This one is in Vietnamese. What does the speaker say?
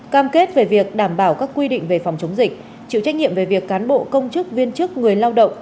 cam kết về việc đảm bảo các quy định về phòng chống dịch chịu trách nhiệm về việc cán bộ công chức viên chức người lao động